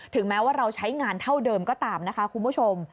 แม้ว่าเราใช้งานเท่าเดิมก็ตามนะคะคุณผู้ชม